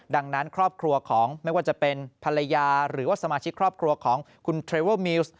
ดังนั้นครอบครัวของไม่ว่าจะเป็นภรรยาหรือว่าสมาชิกครอบครัวของคุณเทรเวอร์มิวส์